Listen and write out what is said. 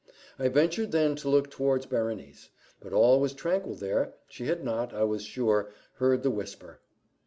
I ventured then to look towards Berenice; but all was tranquil there she had not, I was sure, heard the whisper.